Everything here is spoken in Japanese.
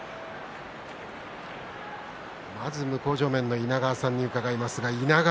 まず向正面の稲川さんに伺います。